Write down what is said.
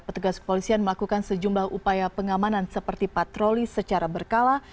petugas kepolisian melakukan sejumlah upaya pengamanan seperti patroli secara berkala